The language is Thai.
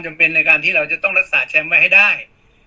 ในการที่เราจะต้องรักษาแชมป์ไว้ให้ได้